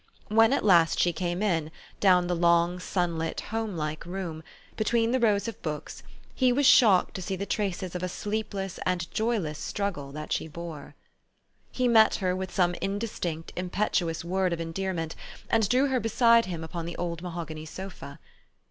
When at last she came in, down the long, sunlit, home like room, between the rows of books, he was shocked to see the traces of a sleepless and s straggle that she bore. 192 tfHE STORY OF AVIS. He met her with some indistinct, impetuous word of endearment, and drew her beside him upon the old mahogany sofe.